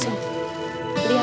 sekarang pokoknya ini